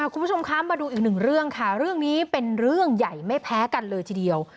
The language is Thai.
คุณผู้ชมคะมาดูอีกหนึ่งเรื่องค่ะเรื่องนี้เป็นเรื่องใหญ่ไม่แพ้กันเลยทีเดียว